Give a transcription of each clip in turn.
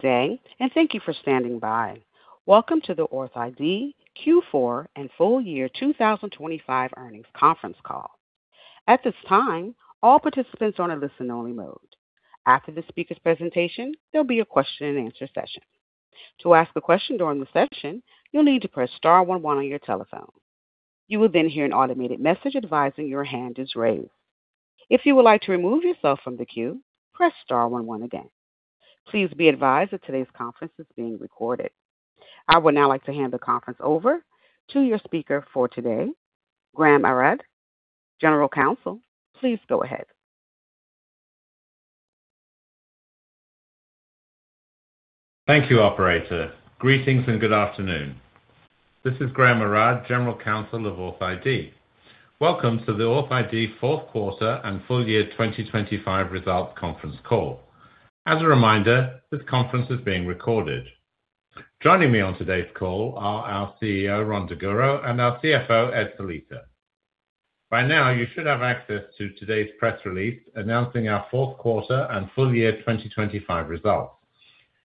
Thank you for standing by. Welcome to the authID Q4 and full year 2025 earnings conference call. At this time, all participants are in a listen-only mode. After the speaker's presentation, there'll be a question and answer session. To ask a question during the session, you'll need to press star one one on your telephone. You will then hear an automated message advising your hand is raised. If you would like to remove yourself from the queue, press star one one again. Please be advised that today's conference is being recorded. I would now like to hand the conference over to your speaker for today, Graham Arad, General Counsel. Please go ahead. Thank you, operator. Greetings and good afternoon. This is Graham Arad, General Counsel of authID. Welcome to the authID fourth quarter and full year 2025 results conference call. As a reminder, this conference is being recorded. Joining me on today's call are our CEO, Rhon Daguro, and our CFO, Ed Sellitto. By now you should have access to today's press release announcing our fourth quarter and full year 2025 results.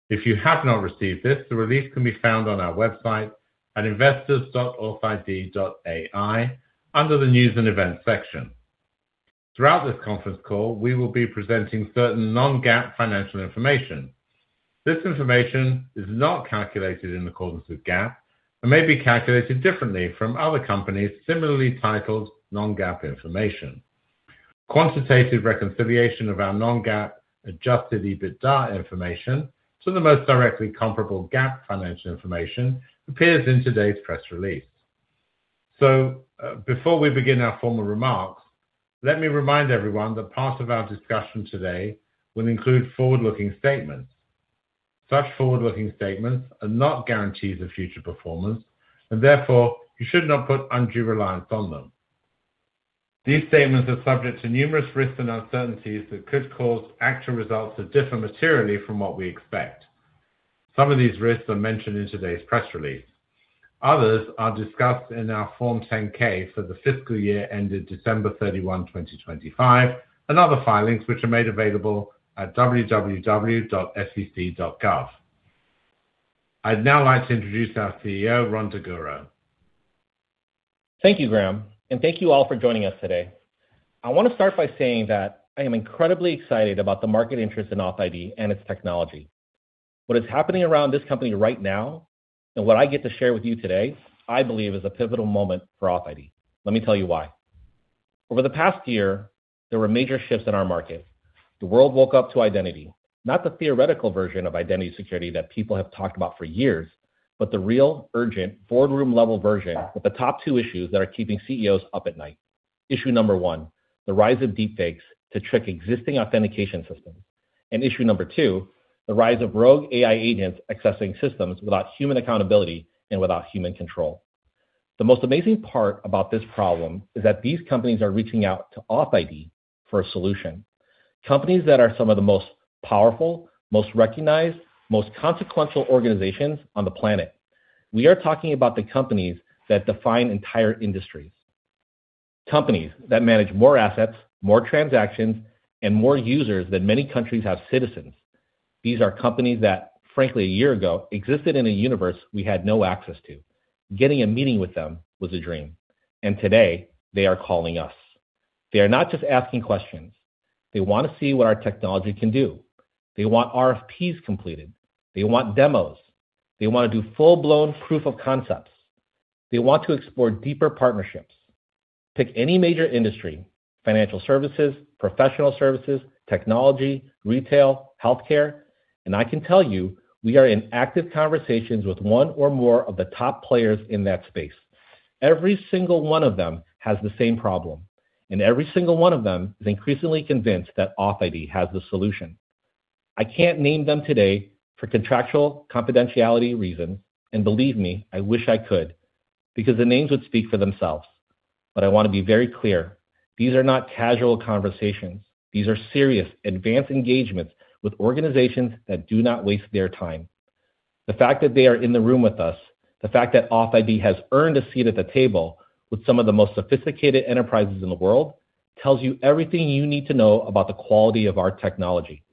If you have not received this, the release can be found on our website at investors.authid.ai under the News and Events section. Throughout this conference call, we will be presenting certain non-GAAP financial information. This information is not calculated in accordance with GAAP and may be calculated differently from other companies similarly titled non-GAAP information. Quantitative reconciliation of our non-GAAP adjusted EBITDA information to the most directly comparable GAAP financial information appears in today's press release. Before we begin our formal remarks, let me remind everyone that part of our discussion today will include forward-looking statements. Such forward-looking statements are not guarantees of future performance, and therefore you should not put undue reliance on them. These statements are subject to numerous risks and uncertainties that could cause actual results to differ materially from what we expect. Some of these risks are mentioned in today's press release. Others are discussed in our Form 10-K for the fiscal year ended December 31, 2025, and other filings which are made available at www.sec.gov. I'd now like to introduce our CEO, Rhon Daguro. Thank you, Graham, and thank you all for joining us today. I want to start by saying that I am incredibly excited about the market interest in authID and its technology. What is happening around this company right now, and what I get to share with you today, I believe is a pivotal moment for authID. Let me tell you why. Over the past year, there were major shifts in our market. The world woke up to identity, not the theoretical version of identity security that people have talked about for years, but the real, urgent, board room level version with the top two issues that are keeping CEOs up at night. Issue number one, the rise of deepfakes to trick existing authentication systems. Issue number two, the rise of rogue AI agents accessing systems without human accountability and without human control. The most amazing part about this problem is that these companies are reaching out to authID for a solution. Companies that are some of the most powerful, most recognized, most consequential organizations on the planet. We are talking about the companies that define entire industries, companies that manage more assets, more transactions, and more users than many countries have citizens. These are companies that, frankly, a year ago existed in a universe we had no access to. Getting a meeting with them was a dream, and today they are calling us. They are not just asking questions. They want to see what our technology can do. They want RFPs completed. They want demos. They want to do full-blown proof of concepts. They want to explore deeper partnerships. Pick any major industry, financial services, professional services, technology, retail, healthcare, and I can tell you, we are in active conversations with one or more of the top players in that space. Every single one of them has the same problem, and every single one of them is increasingly convinced that authID has the solution. I can't name them today for contractual confidentiality reasons, and believe me, I wish I could, because the names would speak for themselves. I want to be very clear, these are not casual conversations. These are serious advanced engagements with organizations that do not waste their time. The fact that they are in the room with us, the fact that authID has earned a seat at the table with some of the most sophisticated enterprises in the world tells you everything you need to know about the quality of our technology.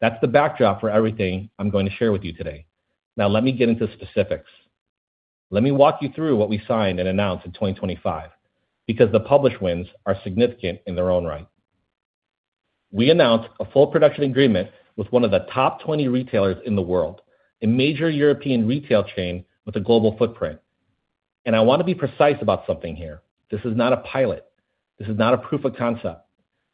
That's the backdrop for everything I'm going to share with you today. Now, let me get into specifics. Let me walk you through what we signed and announced in 2025, because the published wins are significant in their own right. We announced a full production agreement with one of the top 20 retailers in the world, a major European retail chain with a global footprint. I want to be precise about something here. This is not a pilot. This is not a proof of concept.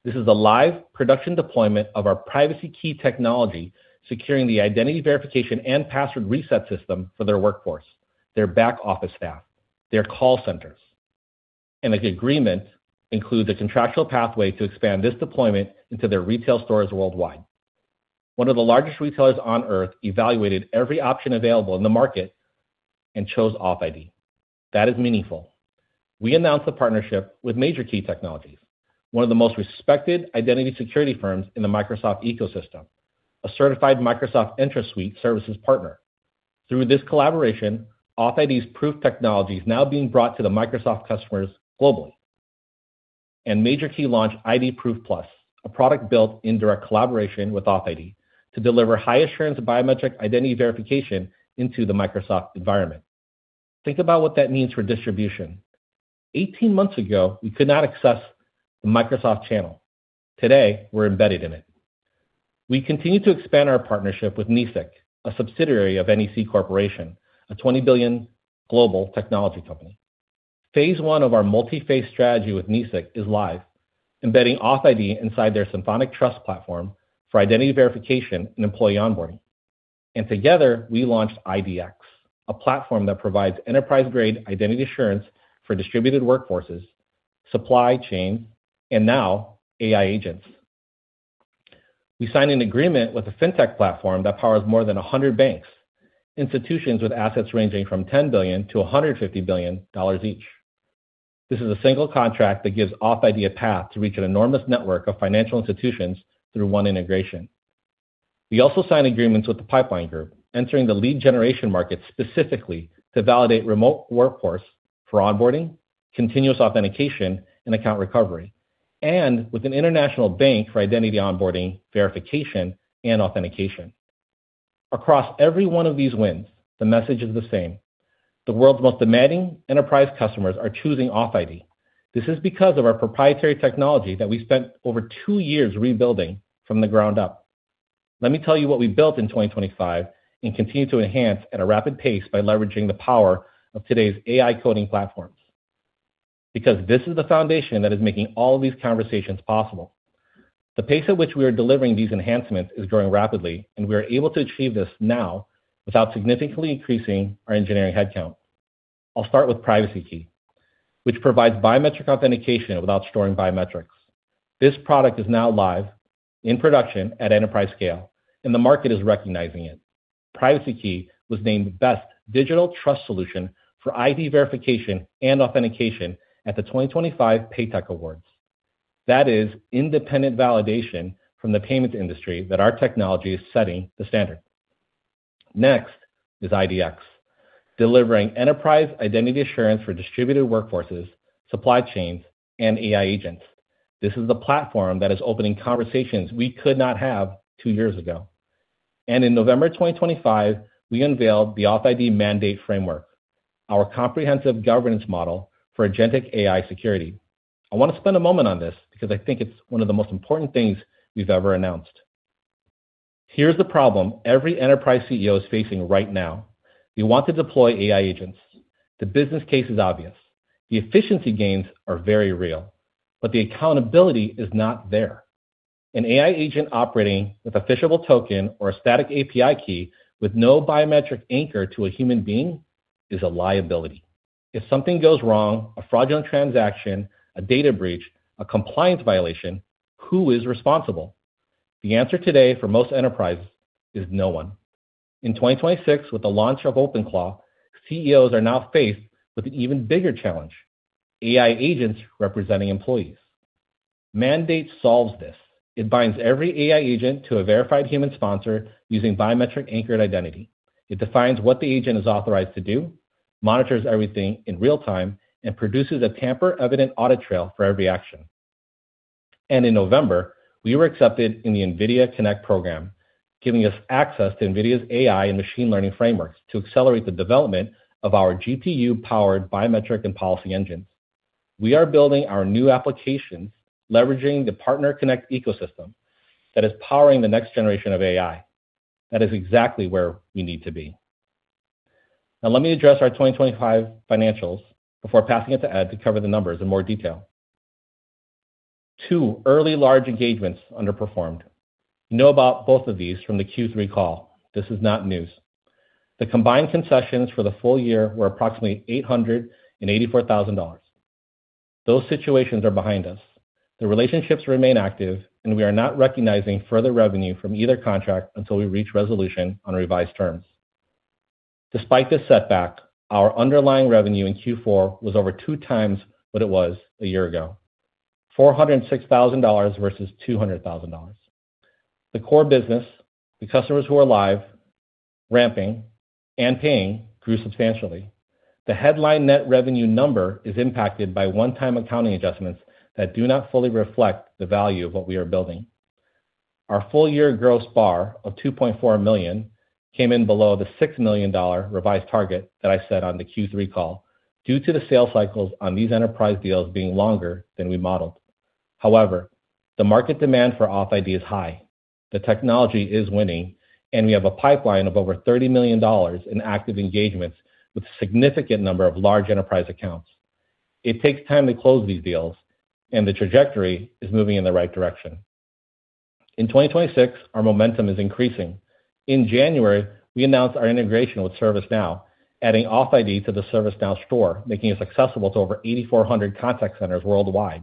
This is a live production deployment of our PrivacyKey technology, securing the identity verification and password reset system for their workforce, their back-office staff, their call centers. The agreement includes a contractual pathway to expand this deployment into their retail stores worldwide. One of the largest retailers on Earth evaluated every option available in the market and chose authID. That is meaningful. We announced a partnership with MajorKey Technologies, one of the most respected identity security firms in the Microsoft ecosystem, a certified Microsoft Entra Suite services partner. Through this collaboration, authID's Proof technology is now being brought to the Microsoft customers globally. MajorKey launched IDProof+, a product built in direct collaboration with authID to deliver high assurance biometric identity verification into the Microsoft environment. Think about what that means for distribution. 18 months ago, we could not access the Microsoft channel. Today, we're embedded in it. We continue to expand our partnership with NESIC, a subsidiary of NEC Corporation, a $20 billion global technology company. Phase 1 of our multi-phase strategy with NESIC is live, embedding authID inside their Symphonic Trust platform for identity verification and employee onboarding. Together, we launched IDX, a platform that provides enterprise-grade identity assurance for distributed workforces, supply chain, and now AI agents. We signed an agreement with a fintech platform that powers more than 100 banks, institutions with assets ranging from $10 billion-$150 billion each. This is a single contract that gives authID a path to reach an enormous network of financial institutions through one integration. We also signed agreements with The Pipeline Group, entering the lead generation market specifically to validate remote workforce for onboarding, continuous authentication, and account recovery, and with an international bank for identity onboarding, verification, and authentication. Across every one of these wins, the message is the same. The world's most demanding enterprise customers are choosing authID. This is because of our proprietary technology that we spent over two years rebuilding from the ground up. Let me tell you what we built in 2025 and continue to enhance at a rapid pace by leveraging the power of today's AI coding platforms. Because this is the foundation that is making all of these conversations possible, the pace at which we are delivering these enhancements is growing rapidly, and we are able to achieve this now without significantly increasing our engineering headcount. I'll start with PrivacyKey, which provides biometric authentication without storing biometrics. This product is now live in production at enterprise scale, and the market is recognizing it. PrivacyKey was named Best Digital Trust Solution for ID Verification and Authentication at the 2025 PayTech Awards. That is independent validation from the payments industry that our technology is setting the standard. Next is IDX, delivering enterprise identity assurance for distributed workforces, supply chains, and AI agents. This is the platform that is opening conversations we could not have two years ago. In November 2025, we unveiled the authID Mandate Framework, our comprehensive governance model for agentic AI security. I want to spend a moment on this because I think it's one of the most important things we've ever announced. Here's the problem every enterprise CEO is facing right now - we want to deploy AI agents, the business case is obvious, the efficiency gains are very real, but the accountability is not there. An AI agent operating with a phishable token or a static API key with no biometric anchor to a human being is a liability. If something goes wrong, a fraudulent transaction, a data breach, a compliance violation, who is responsible? The answer today for most enterprises is no one. In 2026, with the launch of OpenClaw, CEOs are now faced with an even bigger challenge - AI agents representing employees. Mandate solves this. It binds every AI agent to a verified human sponsor using biometric anchored identity. It defines what the agent is authorized to do, monitors everything in real time, and produces a tamper evident audit trail for every action. In November, we were accepted in the NVIDIA Connect program, giving us access to NVIDIA's AI and machine learning frameworks to accelerate the development of our GPU-powered biometric and policy engines. We are building our new application leveraging the Partner Connect ecosystem that is powering the next generation of AI. That is exactly where we need to be. Now, let me address our 2025 financials before passing it to Ed to cover the numbers in more detail. Two early large engagements underperformed. You know about both of these from the Q3 call. This is not news. The combined concessions for the full year were approximately $884 thousand. Those situations are behind us. The relationships remain active, and we are not recognizing further revenue from either contract until we reach resolution on revised terms. Despite this setback, our underlying revenue in Q4 was over 2x what it was a year ago, $406 thousand versus $200 thousand. The core business, the customers who are live, ramping, and paying grew substantially. The headline net revenue number is impacted by one-time accounting adjustments that do not fully reflect the value of what we are building. Our full-year gross bARR of $2.4 million came in below the $6 million revised target that I set on the Q3 call due to the sales cycles on these enterprise deals being longer than we modeled. However, the market demand for authID is high. The technology is winning, and we have a pipeline of over $30 million in active engagements with a significant number of large enterprise accounts. It takes time to close these deals, and the trajectory is moving in the right direction. In 2026, our momentum is increasing. In January, we announced our integration with ServiceNow, adding authID to the ServiceNow store, making us accessible to over 8,400 contact centers worldwide,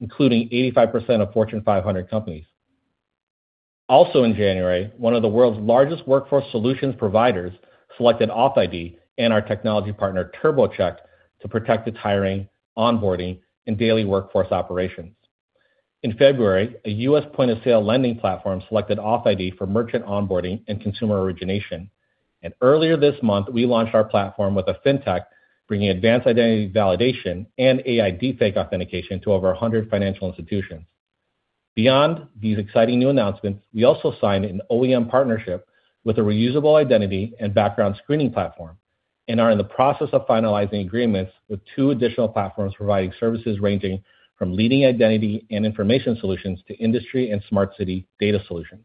including 85% of Fortune 500 companies. Also in January, one of the world's largest workforce solutions providers selected authID and our technology partner, TurboCheck, to protect its hiring, onboarding, and daily workforce operations. In February, a U.S. point-of-sale lending platform selected authID for merchant onboarding and consumer origination. Earlier this month, we launched our platform with a fintech, bringing advanced identity validation and AI deep fake authentication to over 100 financial institutions. Beyond these exciting new announcements, we also signed an OEM partnership with a reusable identity and background screening platform, and are in the process of finalizing agreements with two additional platforms providing services ranging from leading identity and information solutions to industry and smart city data solutions.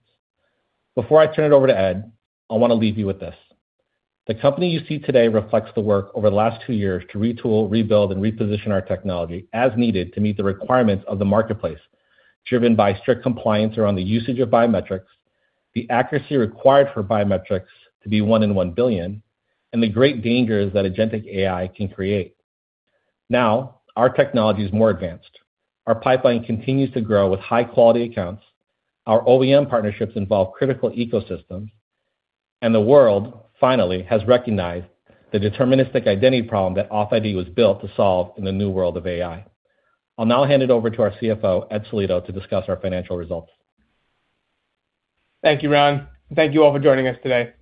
Before I turn it over to Ed, I want to leave you with this. The company you see today reflects the work over the last two years to retool, rebuild, and reposition our technology as needed to meet the requirements of the marketplace, driven by strict compliance around the usage of biometrics, the accuracy required for biometrics to be one in one billion, and the great dangers that agentic AI can create. Now, our technology is more advanced. Our pipeline continues to grow with high-quality accounts. Our OEM partnerships involve critical ecosystems. The world finally has recognized the deterministic identity problem that authID was built to solve in the new world of AI. I'll now hand it over to our CFO, Ed Sellitto, to discuss our financial results. Thank you, Rhon. Thank you all for joining us today.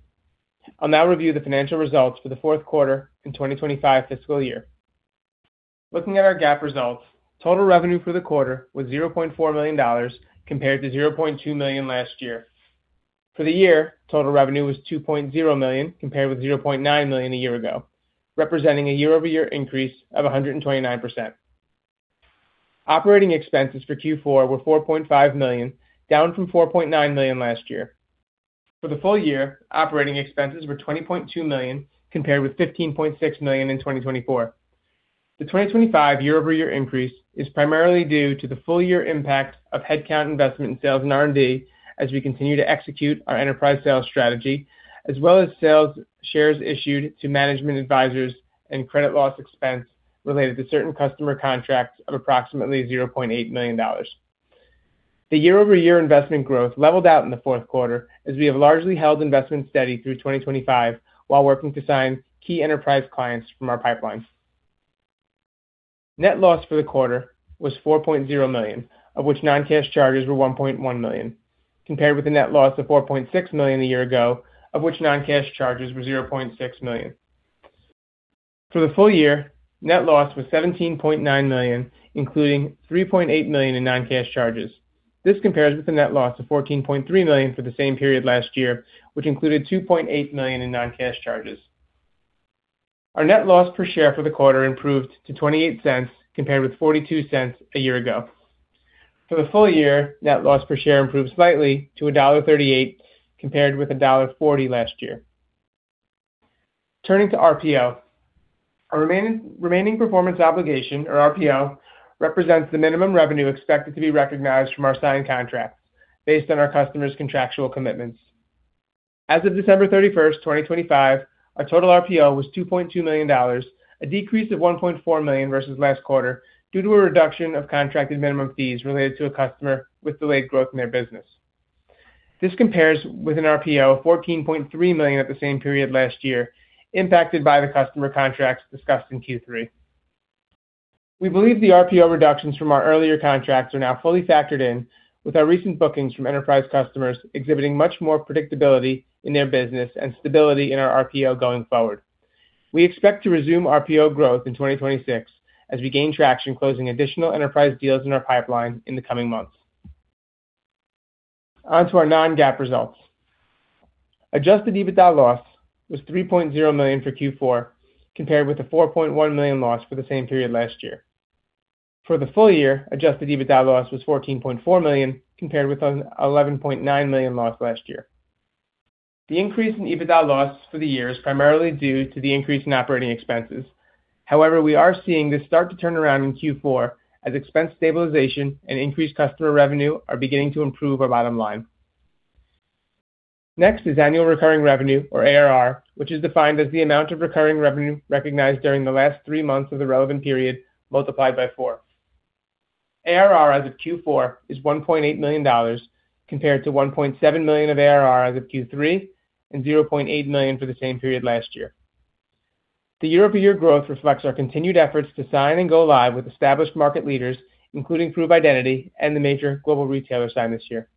I'll now review the financial results for the fourth quarter of fiscal year 2025. Looking at our GAAP results, total revenue for the quarter was $0.4 million compared to $0.2 million last year. For the year, total revenue was $2.0 million compared with $0.9 million a year ago, representing a year-over-year increase of 129%. Operating expenses for Q4 were $4.5 million, down from $4.9 million last year. For the full year, operating expenses were $20.2 million compared with $15.6 million in 2024. The 2025 year-over-year increase is primarily due to the full year impact of headcount investment in sales and R&D as we continue to execute our enterprise sales strategy, as well as sales shares issued to management advisors and credit loss expense related to certain customer contracts of approximately $0.8 million. The year-over-year investment growth leveled out in the fourth quarter as we have largely held investments steady through 2025 while working to sign key enterprise clients from our pipeline. Net loss for the quarter was $4.0 million, of which non-cash charges were $1.1 million, compared with a net loss of $4.6 million a year ago, of which non-cash charges were $0.6 million. For the full year, net loss was $17.9 million, including $3.8 million in non-cash charges. This compares with a net loss of $14.3 million for the same period last year, which included $2.8 million in non-cash charges. Our net loss per share for the quarter improved to $0.28, compared with $0.42 a year ago. For the full year, net loss per share improved slightly to $1.38, compared with $1.40 last year. Turning to RPO. Our remaining performance obligation, or RPO, represents the minimum revenue expected to be recognized from our signed contracts based on our customers' contractual commitments. As of December 31, 2025, our total RPO was $2.2 million, a decrease of $1.4 million versus last quarter due to a reduction of contracted minimum fees related to a customer with delayed growth in their business. This compares with an RPO of $14.3 million at the same period last year, impacted by the customer contracts discussed in Q3. We believe the RPO reductions from our earlier contracts are now fully factored in with our recent bookings from enterprise customers exhibiting much more predictability in their business and stability in our RPO going forward. We expect to resume RPO growth in 2026 as we gain traction closing additional enterprise deals in our pipeline in the coming months. On to our non-GAAP results. Adjusted EBITDA loss was $3.0 million for Q4, compared with a $4.1 million loss for the same period last year. For the full year, adjusted EBITDA loss was $14.4 million, compared with a $11.9 million loss last year. The increase in EBITDA loss for the year is primarily due to the increase in operating expenses. However, we are seeing this start to turn around in Q4 as expense stabilization and increased customer revenue are beginning to improve our bottom line. Next is annual recurring revenue, or ARR, which is defined as the amount of recurring revenue recognized during the last three months of the relevant period multiplied by four. ARR as of Q4 is $1.8 million, compared to $1.7 million of ARR as of Q3, and $0.8 million for the same period last year. The year-over-year growth reflects our continued efforts to sign and go live with established market leaders, including Prove and the major global retailer signed this year.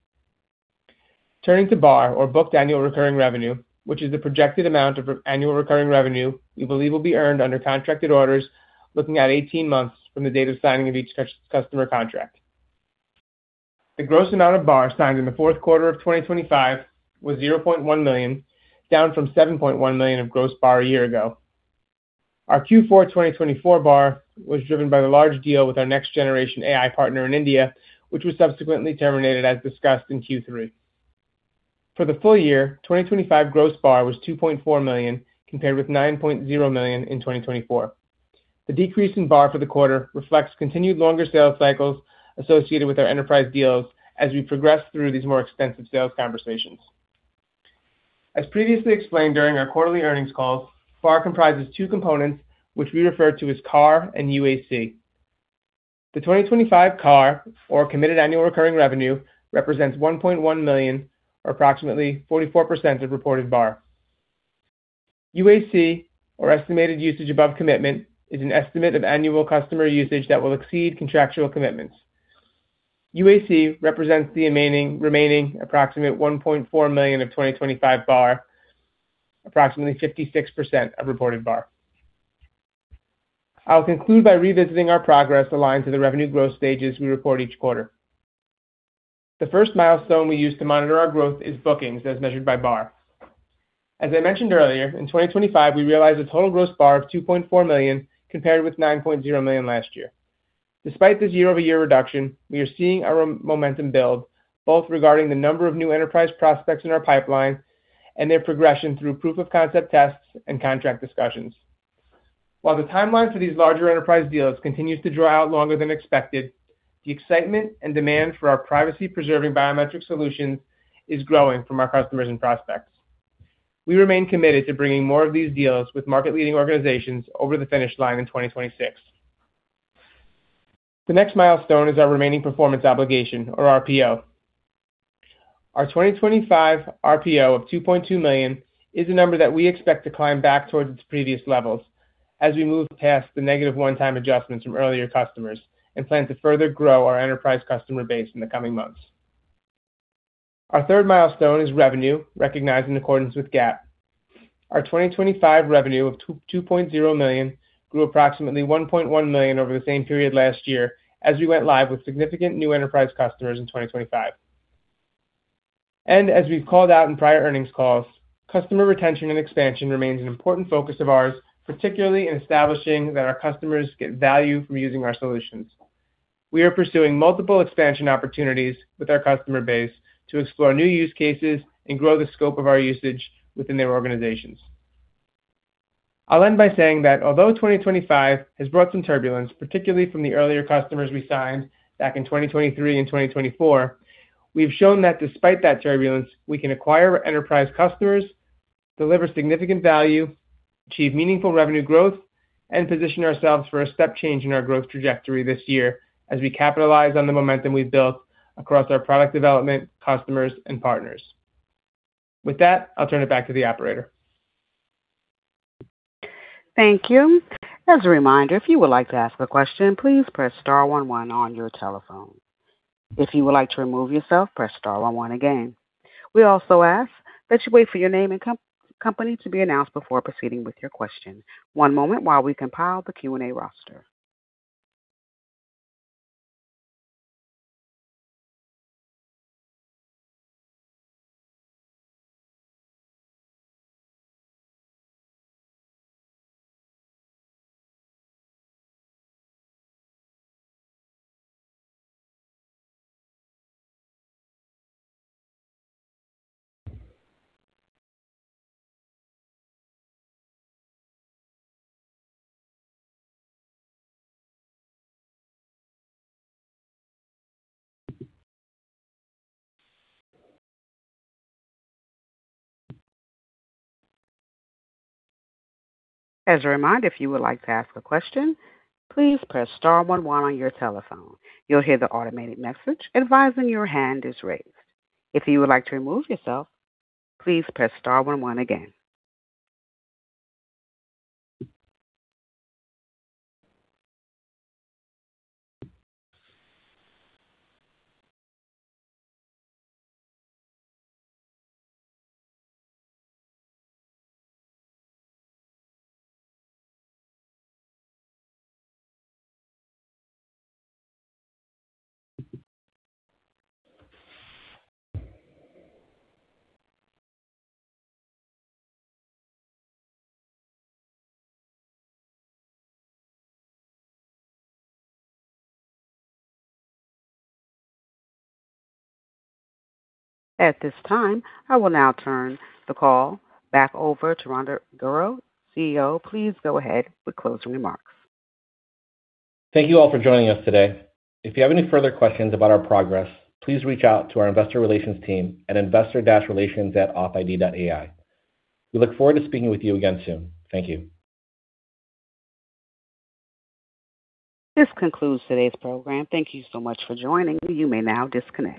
Turning to bARR, or booked annual recurring revenue, which is the projected amount of annual recurring revenue we believe will be earned under contracted orders looking at 18 months from the date of signing of each customer contract. The gross amount of bARR signed in the fourth quarter of 2025 was $0.1 million, down from $7.1 million of gross bARR a year ago. Our Q4 2024 bARR was driven by the large deal with our next-generation AI partner in India, which was subsequently terminated as discussed in Q3. For the full year 2025 gross bARR was $2.4 million, compared with $9.0 million in 2024. The decrease in bARR for the quarter reflects continued longer sales cycles associated with our enterprise deals as we progress through these more extensive sales conversations. As previously explained during our quarterly earnings calls, bARR comprises two components, which we refer to as CAR and UAC. The 2025 CAR, or committed annual recurring revenue, represents $1.1 million or approximately 44% of reported bARR. UAC or estimated usage above commitment is an estimate of annual customer usage that will exceed contractual commitments. UAC represents the remaining approximate $1.4 million of 2025 bARR, approximately 56% of reported bARR. I'll conclude by revisiting our progress aligned to the revenue growth stages we report each quarter. The first milestone we use to monitor our growth is bookings as measured by bARR. As I mentioned earlier, in 2025 we realized a total gross bARR of $2.4 million compared with $9.0 million last year. Despite this year-over-year reduction, we are seeing our momentum build both regarding the number of new enterprise prospects in our pipeline and their progression through proof of concept tests and contract discussions. While the timeline for these larger enterprise deals continues to draw out longer than expected, the excitement and demand for our privacy-preserving biometric solutions is growing from our customers and prospects. We remain committed to bringing more of these deals with market-leading organizations over the finish line in 2026. The next milestone is our remaining performance obligation or RPO. Our 2025 RPO of $2.2 million is a number that we expect to climb back towards its previous levels as we move past the negative one-time adjustments from earlier customers and plan to further grow our enterprise customer base in the coming months. Our third milestone is revenue recognized in accordance with GAAP. Our 2025 revenue of $2.2 million grew approximately $1.1 million over the same period last year as we went live with significant new enterprise customers in 2025. As we've called out in prior earnings calls, customer retention and expansion remains an important focus of ours, particularly in establishing that our customers get value from using our solutions. We are pursuing multiple expansion opportunities with our customer base to explore new use cases and grow the scope of our usage within their organizations. I'll end by saying that although 2025 has brought some turbulence, particularly from the earlier customers we signed back in 2023 and 2024, we've shown that despite that turbulence we can acquire enterprise customers, deliver significant value, achieve meaningful revenue growth, and position ourselves for a step change in our growth trajectory this year as we capitalize on the momentum we've built across our product development, customers, and partners. With that, I'll turn it back to the operator. At this time, I will now turn the call back over to Rhon Daguro, CEO. Please go ahead with closing remarks. Thank you all for joining us today. If you have any further questions about our progress, please reach out to our investor relations team at investor dash relations at investors.authid.ai. We look forward to speaking with you again soon. Thank you. This concludes today's program. Thank you so much for joining. You may now disconnect.